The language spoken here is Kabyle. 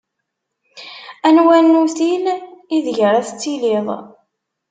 Anwa nnutil ideg ara tettiliḍ?